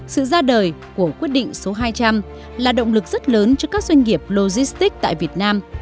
sự ra đời của quyết định số hai trăm linh là động lực rất lớn cho các doanh nghiệp logistics tại việt nam